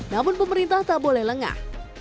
namun pemerintah tak boleh lengah